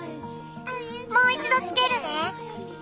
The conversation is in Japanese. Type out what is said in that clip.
もう一度つけるね。